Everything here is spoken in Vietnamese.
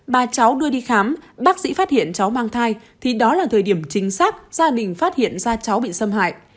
bà cháu đưa đi khám bác sĩ phát hiện cháu mang thai thì đó là thời điểm chính xác gia đình phát hiện ra cháu bị xâm hại